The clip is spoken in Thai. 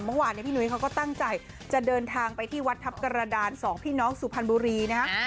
เมื่อวานพี่นุ้ยเขาก็ตั้งใจจะเดินทางไปที่วัดทัพกระดานสองพี่น้องสุพรรณบุรีนะฮะ